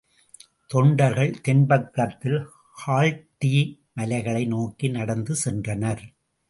தொண்டர்கள் தென்பக்கத்தில் கால்டீ மலைகளை நோக்கி நடந்து சென்றனர்.